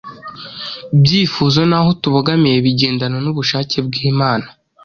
byifuzo n’aho tubogamiye bigendana n’ubushake bw’Imana;